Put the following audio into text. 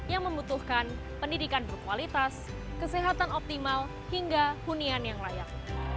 yang membutuhkan pendidikan berkualitas kesehatan optimal hingga hunian yang layak